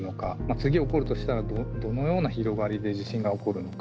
次起こるとしたらどのような広がりで地震が起こるのか。